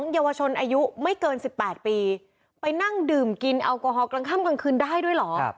เยาวชนอายุไม่เกิน๑๘ปีไปนั่งดื่มกินแอลกอฮอลกลางค่ำกลางคืนได้ด้วยเหรอ